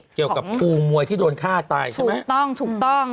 เกี่ยวกับครูมวยที่โดนฆ่าตายใช่ไหมถูกต้อง